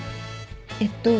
えっと